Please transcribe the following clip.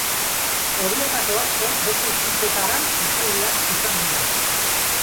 Horietako asko beste hizkuntzetara itzuliak izan dira.